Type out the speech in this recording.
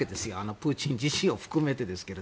プーチン自身を含めてですが。